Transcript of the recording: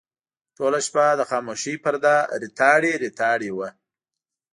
ټوله شپه د خاموشۍ پرده ریتاړې ریتاړې وه.